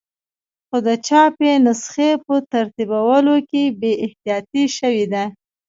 خو د چاپي نسخې په ترتیبولو کې بې احتیاطي شوې ده.